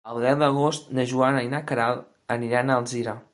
El deu d'agost na Joana i na Queralt aniran a Alzira.